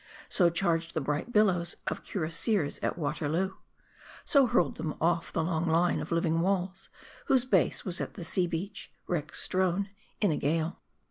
So charged the bright billows of cuiras siers at Waterloo *: GO hurled them off the long line of living walls, whose base was as the sea beach, wreck strown, in a gale.